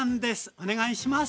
お願いします。